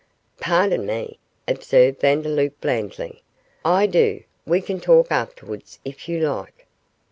'Pardon me,' observed Vandeloup, blandly, 'I do; we can talk afterwards if you like.